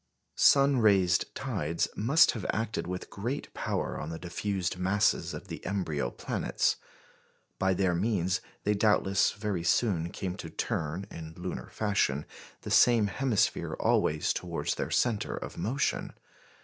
Sun raised tides must have acted with great power on the diffused masses of the embryo planets. By their means they doubtless very soon came to turn (in lunar fashion) the same hemisphere always towards their centre of motion.